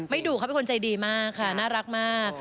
ดุเขาเป็นคนใจดีมากค่ะน่ารักมาก